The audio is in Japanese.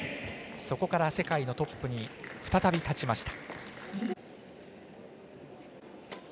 そこから世界のトップに再び立ちました。